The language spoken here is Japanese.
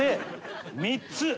３つ。